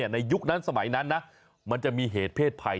ในยุคนั้นสมัยนั้นนะมันจะมีเหตุเพศภัย